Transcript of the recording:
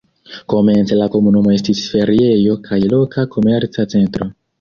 Komence la komunumo estis feriejo kaj loka komerca centro.